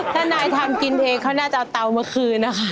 ถ้านายทำกินเองเขาน่าจะเอาเตามาคืนนะคะ